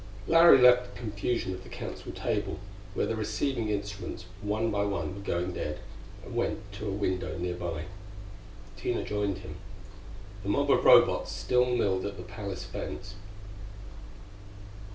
Larry left the confusion of the Council table, where the receiving instruments one by one were going dead, and went to a window nearby. Tina joined him. The mob of Robots still milled at the palace fence.